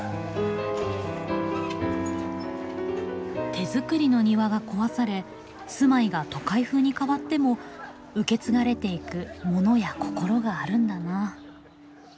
手作りの庭が壊され住まいが都会風に変わっても受け継がれていくモノや心があるんだなあ。